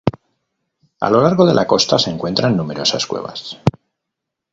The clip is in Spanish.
A lo largo de la costa se encuentran numerosas cuevas.